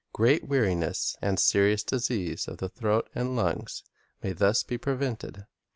Great weariness and serious dis ease of the throat and lungs may thus be prevented.